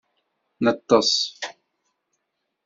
Neṭṭes.